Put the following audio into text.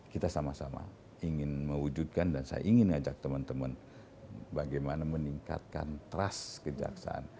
kita sama sama ingin mewujudkan dan saya ingin ngajak teman teman bagaimana meningkatkan trust kejaksaan